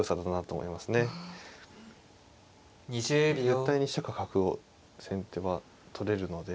絶対に飛車か角を先手は取れるので。